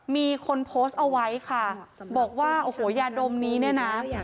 มีคนโพสต์เอาไว้ค่ะบอกว่าโอ้โหยาดมนี้เนี่ยนะ